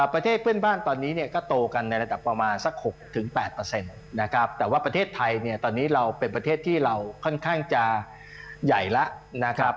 ประเทศเพื่อนบ้านตอนนี้เนี่ยก็โตกันในระดับประมาณสัก๖๘นะครับแต่ว่าประเทศไทยเนี่ยตอนนี้เราเป็นประเทศที่เราค่อนข้างจะใหญ่แล้วนะครับ